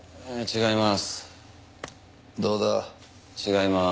違いますね。